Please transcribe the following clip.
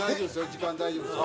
時間大丈夫です。